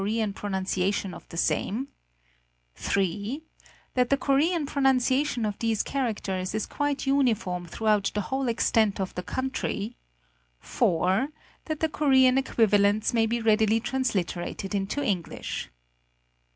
933 4 of the Korean pronunciation of the same; (3) that the Korean pronunciation of these characters is quite uniform throughout the whole extent of the country ; (4) that the Korean equivalents may be readily transliterated into English.